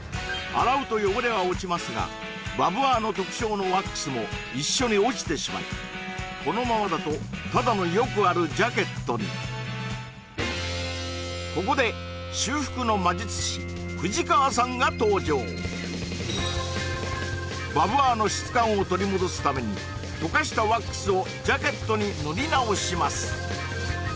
洗うと汚れは落ちますがＢａｒｂｏｕｒの特徴のワックスも一緒に落ちてしまいこのままだとただのよくあるジャケットにここでが登場Ｂａｒｂｏｕｒの質感を取り戻すために溶かしたワックスをジャケットに塗り直します